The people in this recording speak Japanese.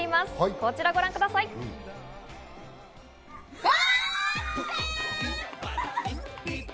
こちらをご覧ください。わ！